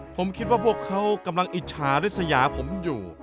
ผมคิดว่าพวกเขากำลังอิจฉาริสยาผมอยู่